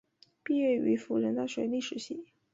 毕业于辅仁大学历史系。